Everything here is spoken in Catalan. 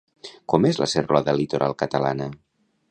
Com és la Serralada Litoral Catalana?